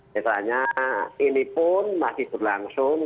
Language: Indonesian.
misalnya ini pun masih berlangsung